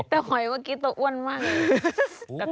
แต่หอยเมื่อกี้ตัวอ้วนมาก